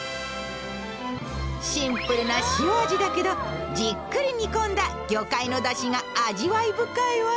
シンプルな塩味だけどじっくり煮込んだ魚介のダシが味わい深いわ。